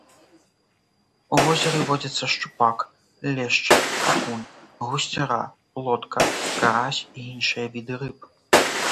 У возеры водзяцца шчупак, лешч, акунь, гусцяра, плотка, карась і іншыя віды рыб.